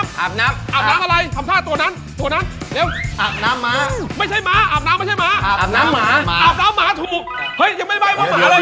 ไม่คิดว่าจะแวกจะให้แต่ของดีแบบนี้